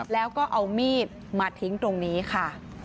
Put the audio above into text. แล้วก็เอามีดมาทิ้งตรงนี้ค่ะ